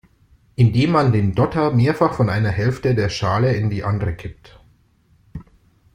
Indem man den Dotter mehrfach von einer Hälfte der Schale in die andere kippt.